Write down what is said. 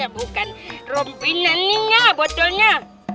bukan rumpinan ini botolnya